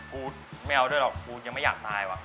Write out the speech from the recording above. กูไม่เอาด้วยหรอกกูยังไม่อยากตายว่ะ